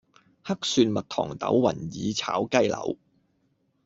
黑蒜蜜糖豆雲耳炒雞柳